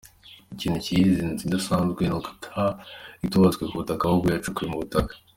Ikintu kiyigira inzu idasanzwe ni uko itubatswe ku butaka ahubwo yacukuwe mu butaka.